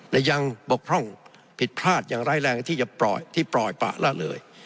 และยังบกพร่องผิดพลาดอย่างไร้แรงที่ปล่อยปล่าละเลย